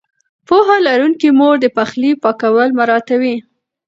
پوهه لرونکې مور د پخلي پاکوالی مراعتوي.